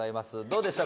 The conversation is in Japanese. どうでした？